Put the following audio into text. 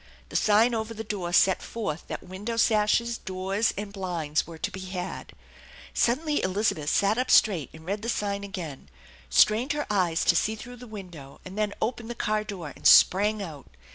The sign over the door et forth that window sashes, doors, and blinds were to be had Suddenly Elizabeth sat up straight and read the sign again, gtrained her eyes to see through the window, and then opened the car door and sprang out.